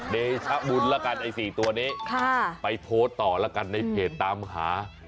เดชะบุญแล้วกันไอ้๔ตัวนี้ไปโพสต์ต่อแล้วกันในเพจตามหา